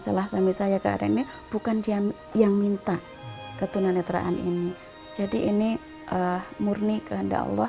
salah suami saya keadaannya bukan jam yang minta ketuna netraan ini jadi ini murni kehendak allah